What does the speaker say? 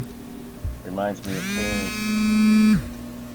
Reminds me of Cannes.